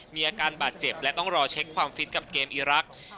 มีอาการบาดเจ็บและต้องรอเช็คความฟิตกับเกมอีรักษ์